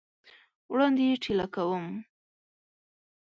وړاندي یې ټېله کوم !